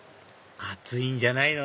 熱いんじゃないの？